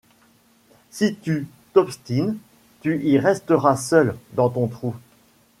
Si tu t’obstines, tu y resteras seul, dans ton trou.